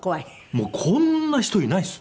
もうこんな人いないです。